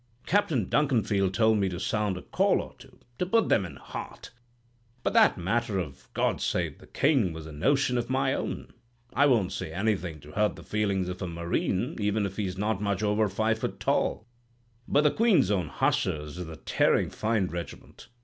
Captain Duncanfield told me to sound a call or two, to put them in heart; but that matter of "God Save the King" was a notion of my own. I won't say anything to hurt the feelings of a Marine, even if he's not much over five foot tall; but the Queen's Own Hussars is a tearin' fine regiment.